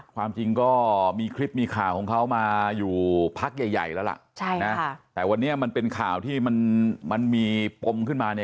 ความจริงก็มีคลิปมีข่าวของเขามาอยู่พักใหญ่แล้วล่ะแต่วันนี้มันเป็นข่าวที่มันมีปมขึ้นมาเนี่ย